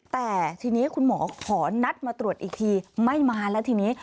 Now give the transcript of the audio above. แต่ทีนี้คุณหมอขอนัดมาตรวจอีกทีไม่มาแล้วทีนี้